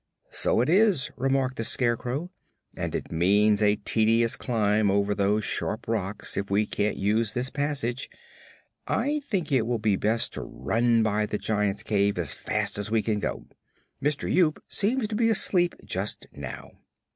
"So it is," remarked the Scarecrow, "and it means a tedious climb over those sharp rocks if we can't use this passage. I think it will be best to run by the Giant's cave as fast as we can go. Mister Yoop seems to be asleep just now."